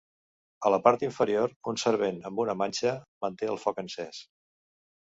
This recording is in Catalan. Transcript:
A la part inferior, un servent amb una manxa manté el foc encès.